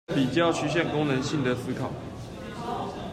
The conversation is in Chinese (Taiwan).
比較趨向功能性的思考